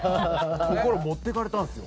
心持っていかれたんですよ。